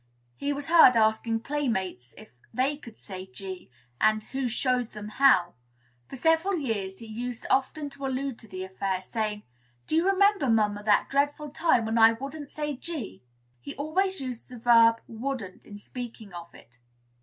He was heard asking playmates if they could "say G," and "who showed them how." For several years he used often to allude to the affair, saying, "Do you remember, mamma, that dreadful time when I wouldn't say G?" He always used the verb "wouldn't" in speaking of it.